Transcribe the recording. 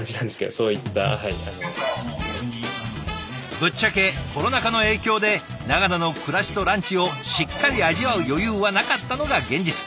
ぶっちゃけコロナ禍の影響で長野の暮らしとランチをしっかり味わう余裕はなかったのが現実。